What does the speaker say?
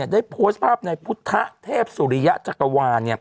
ได้โพสต์ภาพในพุทธเทพสุริยะจักรวาล